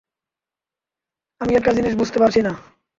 আমি একটা জিনিস বুঝতে পারছিনা।